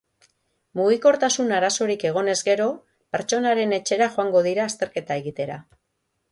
Mugikortasun-arazorik egonez gero, pertsonaren etxera joango dira azterketa egitera.